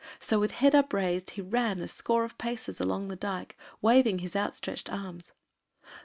So with head upraised, he ran a score of paces along the dyke, waving his outstretched arms.